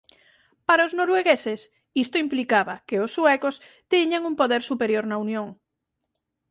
Para os noruegueses isto implicaba que os suecos tiñan un poder superior na unión.